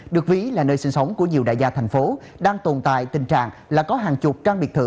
được ví là nơi sinh sống của nhiều đại gia thành phố đang tồn tại tình trạng là có hàng chục trang biệt thự